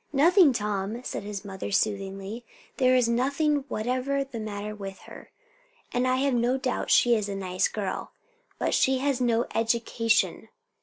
"Nothing, Tom!" said his mother soothingly; "there is nothing whatever the matter with her; and I have no doubt she is a nice girl. But she has no education."